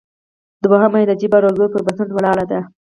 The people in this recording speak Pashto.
دوهمه یې د جبر او زور پر بنسټ ولاړه ده